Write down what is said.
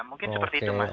mungkin seperti itu mas